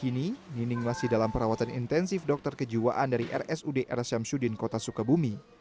kini nining masih dalam perawatan intensif dokter kejiwaan dari rsud r syamsudin kota sukabumi